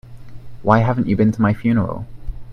Why haven't you been to my funeral?